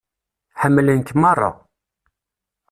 Ḥemmlen-k meṛṛa.